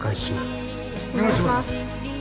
お願いします。